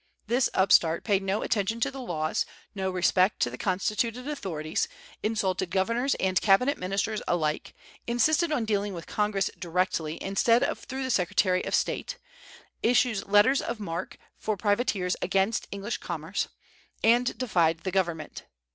This upstart paid no attention to the laws, no respect to the constituted authorities, insulted governors and cabinet ministers alike, insisted on dealing with Congress directly instead of through the Secretary of State, issued letters of marque for privateers against English commerce, and defied the government.